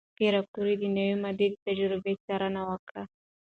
پېیر کوري د نوې موادو د تجربې څارنه وکړه.